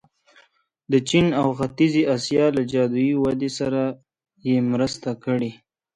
د چین او ختیځې اسیا له جادويي ودې سره یې مرسته کړې.